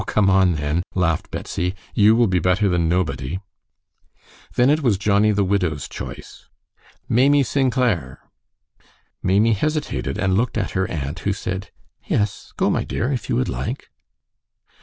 "Oh, come on, then!" laughed Betsy; "you will be better than nobody." Then it was Johnnie the Widow's choice: "Maimie St. Clair." Maimie hesitated and looked at her aunt, who said, "Yes, go, my dear, if you would like."